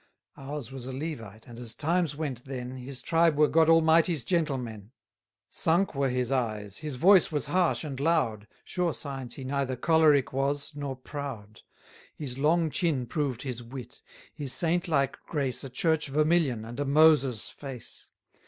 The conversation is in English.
Ours was a Levite, and as times went then, His tribe were God Almighty's gentlemen. Sunk were his eyes, his voice was harsh and loud, Sure signs he neither choleric was, nor proud. His long chin proved his wit; his saint like grace A church vermilion, and a Moses' face.